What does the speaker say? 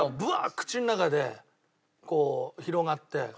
口の中で広がって。